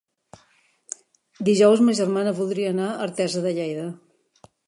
Dijous ma germana voldria anar a Artesa de Lleida.